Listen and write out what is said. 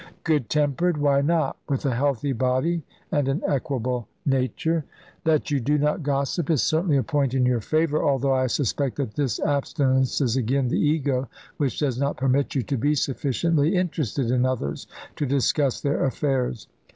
Good tempered! why not, with a healthy body and an equable nature? That you do not gossip is certainly a point in your favour, although I suspect that this abstinence is again the ego, which does not permit you to be sufficiently interested in others to discuss their affairs.